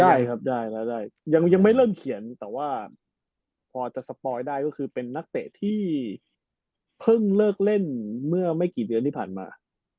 ได้ครับได้ยังไม่เริ่มเขียนแต่ว่าพอจะสปอยได้ก็คือเป็นนักเตะที่เพิ่งเลิกเล่นเมื่อไม่กี่เดือนที่ผ่านมา